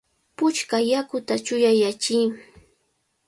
¡Puchka yakuta chuyayachiy!